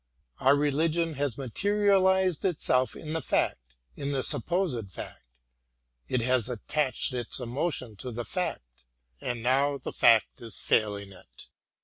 Our religion has materialised itself in the fact, in the supposed fact ; it has attached its emotion to the fact, and now the fact is faihng it.